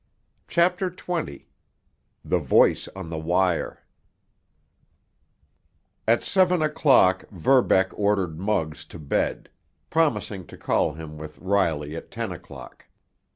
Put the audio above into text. CHAPTER XX—THE VOICE ON THE WIRE At seven o'clock Verbeck ordered Muggs to bed, promising to call him with Riley at ten o'clock.